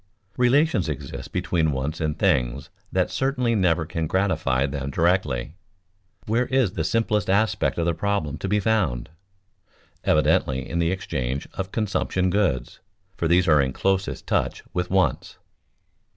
Relations exist between wants and things that certainly never can gratify them directly. Where is the simplest aspect of the problem to be found? Evidently in the exchange of consumption goods, for these are in closest touch with wants.